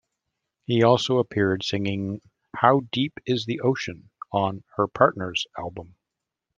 He also appeared singing "How Deep is the Ocean" on her "Partners" album.